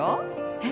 えっ？